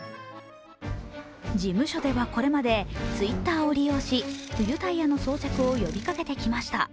事務所ではこれまで、Ｔｗｉｔｔｅｒを利用し冬タイヤの装着を呼びかけてきました。